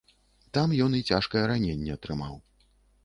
Там ён і цяжкае раненне атрымаў.